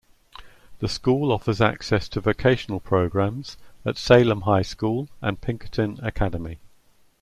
The school offers access to vocational programs at Salem High School and Pinkerton Academy.